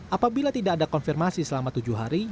apabila tidak ada konfirmasi selama tujuh hari